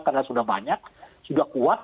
karena sudah banyak sudah kuat